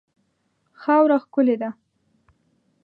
خاوره ښکلې ده.